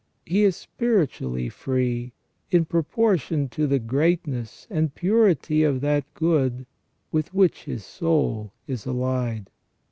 He is spiritually free in propor tion to the greatness and purity of that good with which his soul is allied.